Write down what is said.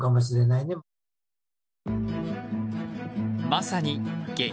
まさに激